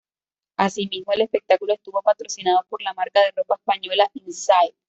Asimismo, el espectáculo estuvo patrocinado por la marca de ropa española Inside.